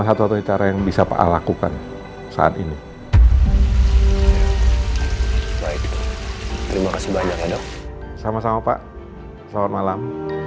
satu satunya cara yang bisa pak lakukan saat ini terima kasih banyak sama sama pak selamat malam